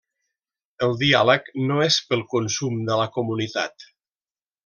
El diàleg no és pel consum de la comunitat.